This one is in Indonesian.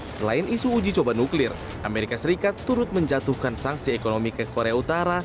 selain isu uji coba nuklir amerika serikat turut menjatuhkan sanksi ekonomi ke korea utara